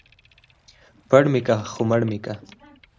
ـ پړ مى که مړ مى که.